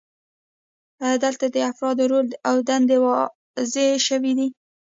دلته د افرادو رول او دندې واضحې شوې وي.